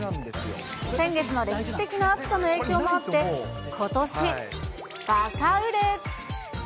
先月の歴史的な暑さの影響もあって、ことし、バカ売れ。